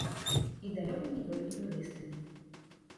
І далёка не толькі турыстамі.